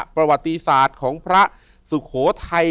ประวัติศาสตร์ของพระสุโขทัย